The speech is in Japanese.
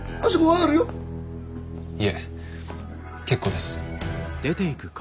いえ結構です。